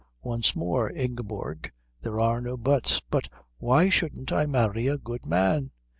"Once more, Ingeborg, there are no buts." "But why shouldn't I marry a good man?"